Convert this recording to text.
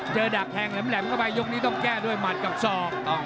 ดักแทงแหลมเข้าไปยกนี้ต้องแก้ด้วยหมัดกับศอก